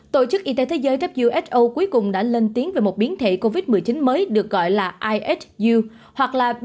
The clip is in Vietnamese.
tổ chức y tế thế giới who cuối cùng đã lên tiếng về một biến thể covid một mươi chín mới được gọi là ihu hoặc là b một sáu nghìn bốn trăm linh hai